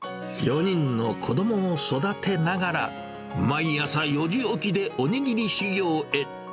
４人の子どもを育てながら、毎朝４時起きでおにぎり修業へ。